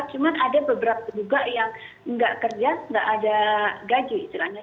cuman ada beberapa juga yang gak kerja gak ada gaji